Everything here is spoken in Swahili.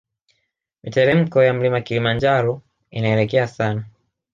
Miteremko ya mlima kilimanjaro inaelekea sana